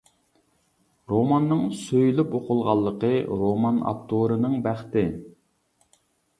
روماننىڭ سۆيۈلۈپ ئوقۇلغانلىقى رومان ئاپتورىنىڭ بەختى.